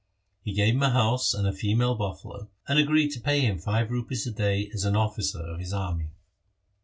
He gave him a house and a female buffalo, and agreed to pay him five rupees a day as an officer of his army.